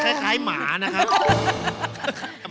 อันนั้นคล้ายหมานะครับ